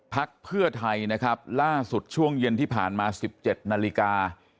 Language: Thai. พักเพื่อไทยนะครับล่าสุดช่วงเย็นที่ผ่านมา๑๗นาฬิกา